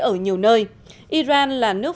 ở nhiều nơi iran là nước